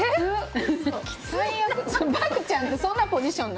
きつい漠ちゃんってそんなポジション？